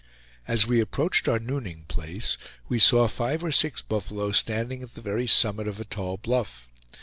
As we approached our nooning place, we saw five or six buffalo standing at the very summit of a tall bluff.